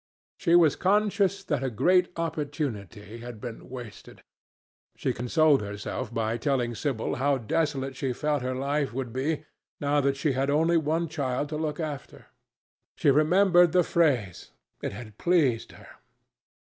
She was conscious that a great opportunity had been wasted. She consoled herself by telling Sibyl how desolate she felt her life would be, now that she had only one child to look after. She remembered the phrase. It had pleased her.